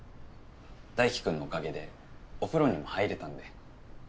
大貴君のおかげでお風呂にも入れたんで。